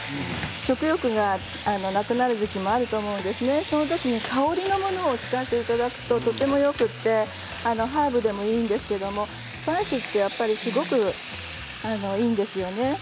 食欲がなくなる時期もあると思うんですけれど香りのものを使っていただくととてもよくてハーブでもいいんですけどスパイスってやっぱりいいんですよね。